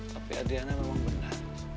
tapi adriana memang benar